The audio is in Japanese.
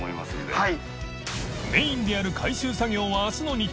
はい。